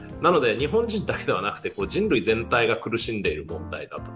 日本人だけではなくて人類全体が苦しんでいる問題だと。